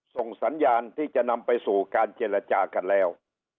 ส่งสัญญาณที่จะนำไปสู่การเจรจากันแล้ว